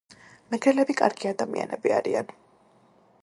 მეგრელბი კარგი ადამიანები არიან.